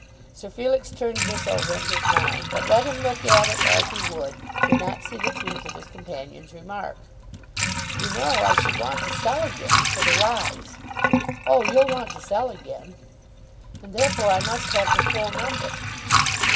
Sir Felix turned this over in his mind, but let him look at it as he would, could not see the truth of his companion's remark. "You know I should want to sell again, for the rise." "Oh; you'll want to sell again." "And therefore I must have the full number."